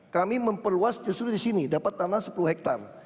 kami memperluas justru di sini dapat tanah sepuluh hektare